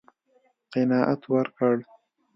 قناعت ورکړ.